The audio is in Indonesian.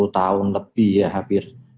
sepuluh tahun lebih ya hampir